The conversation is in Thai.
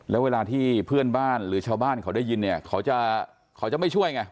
แล้วเวลาที่เพื่อนบ้านหรือชาวบ้านเขาได้ยินเนี่ยเขาจะเขาจะไม่ช่วยไง